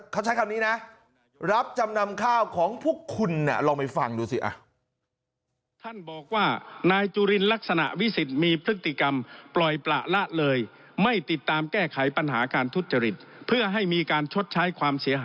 เขาใช้คำนี้นะรับจำนำข้าวของพวกคุณลองไปฟังดูสิ